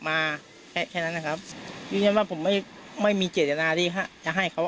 มาแค่แค่นั้นนะครับยืนยันว่าผมไม่ไม่มีเจตนาที่จะให้เขา